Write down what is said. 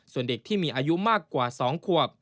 ส่วนเด็กที่มีอายุมากกว่า๒ขวบ